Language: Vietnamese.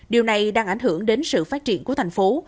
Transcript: điều này đang ảnh hưởng đến sự phát triển của thành phố